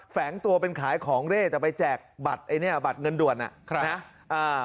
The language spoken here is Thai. แฝงตัวเป็นขายของเล่แต่ไปแจกบัตรเงินด่วนนะครับ